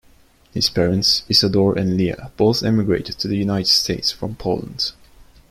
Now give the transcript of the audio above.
His parents, Isidor and Leah, both emigrated to the United States from Poland.